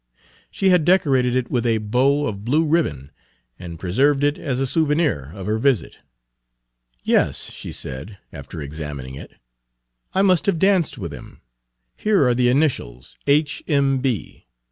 She had decorated it with a bow of blue ribbon and preserved it as a souvenir of her visit. "Yes," she said, after examining it, "I must have danced with him. Here are the initials 'H. M. B.'